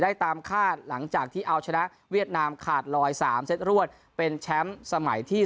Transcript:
ตามคาดหลังจากที่เอาชนะเวียดนามขาดลอย๓เซตรวดเป็นแชมป์สมัยที่๓